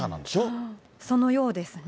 そのようですね。